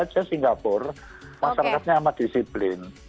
tetangga kita saja singapura masyarakatnya amat disiplin